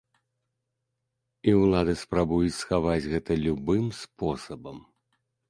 І ўлады спрабуюць схаваць гэта любым спосабам.